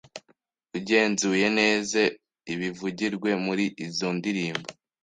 Ugenzuye neze ibivugirwe muri izo ndirimbo,